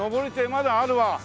まだあるわ！